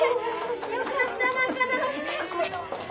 よかった仲直りできて。